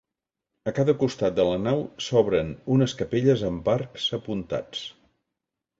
A cada costat de la nau s'obren unes capelles amb arcs apuntats.